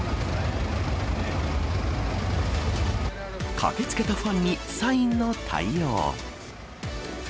駆けつけたファンにサインの対応。